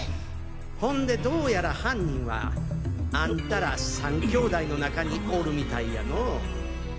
ほんでどうやら犯人はあんたら３兄弟の中におるみたいやのぉ。